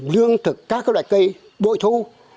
lương thực các loại cây bội thu